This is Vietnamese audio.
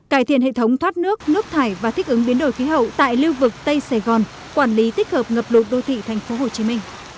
cải thiện hệ thống thoát nước nước thải và thích ứng biến đổi khí hậu tại lưu vực tây sài gòn quản lý tích hợp ngập lụt đô thị tp hcm